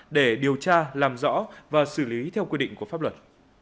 để điều tra làm rõ và xử lý theo quy định của pháp luật